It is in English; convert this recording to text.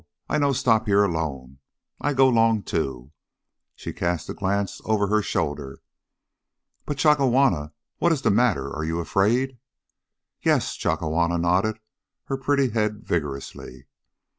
I no stop here alone. I go 'long too." She cast a glance over her shoulder. "But, Chakawana, what is the matter? Are you afraid?" "Yes." Chakawana nodded her pretty head vigorously.